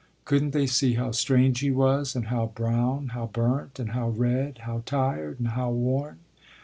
Couldn't they see how strange he was and how brown, how burnt and how red, how tired and how worn?